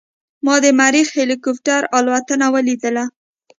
ما د مریخ هلیکوپټر الوتنه ولیدله.